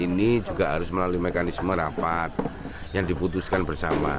ini juga harus melalui mekanisme rapat yang diputuskan bersama